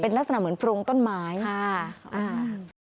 เป็นลักษณะเหมือนพรงต้นไม้ค่ะอ่าสวยจริง